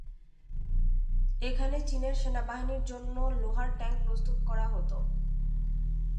এখানে চীনের সেনাবাহিনীর জন্য লোহার ট্যাংক প্রস্তুত করা হত।